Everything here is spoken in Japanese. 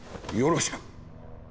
よろしく！